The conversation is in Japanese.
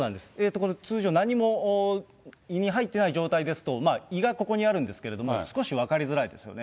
この通常、何も胃に入っていない状態ですと、胃がここにあるんですけど、少し分かりづらいですよね。